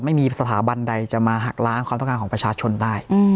ไม่มีสถาบันใดจะมาหักล้างความต้องการของประชาชนได้